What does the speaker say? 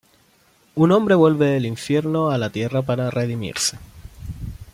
Un hombre vuelve del infierno a la tierra para redimirse.